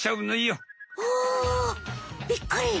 おびっくり！